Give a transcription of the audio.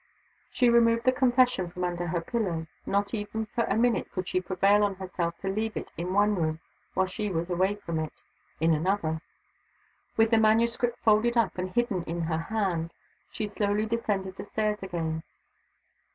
She removed the Confession from under the pillow. Not even for a minute could she prevail on herself to leave it in one room while she was away from it in another. With the manuscript folded up, and hidden in her hand, she slowly descended the stairs again.